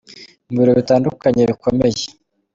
Mu birori bitandukanye bikomeye.